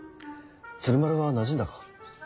鶴丸はなじんだか。